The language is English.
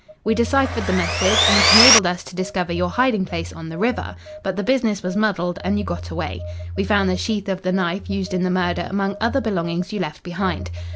"We deciphered the message, and it enabled us to discover your hiding place on the river. But the business was muddled, and you got away. We found the sheath of the knife used in the murder among other belongings you left behind.